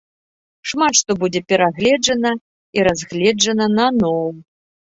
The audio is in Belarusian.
Шмат што будзе перагледжана і разгледжана наноў.